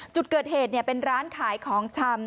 จุดเกิดเหตุเป็นร้านขายของชำ